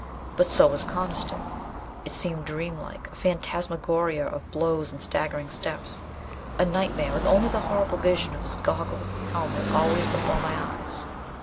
But so was Coniston! It seemed dreamlike. A phantasmagoria of blows and staggering steps. A nightmare with only the horrible vision of this goggled helmet always before my eyes.